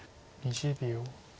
２０秒。